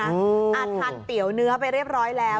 ทานเตี๋ยวเนื้อไปเรียบร้อยแล้ว